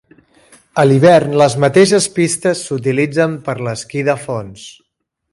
A l'hivern, les mateixes pistes s'utilitzen per l'esquí de fons.